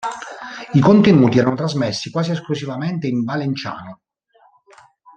I contenuti erano trasmessi quasi esclusivamente in valenciano.